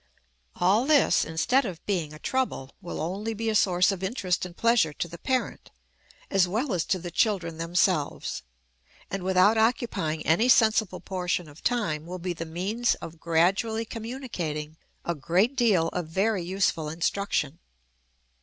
All this, instead of being a trouble, will only be a source of interest and pleasure to the parent, as well as to the children themselves, and, without occupying any sensible portion of time, will be the means of gradually communicating a great deal of very useful instruction.